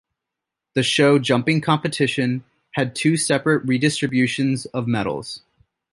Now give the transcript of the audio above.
The show jumping competition had two separate redistributions of medals.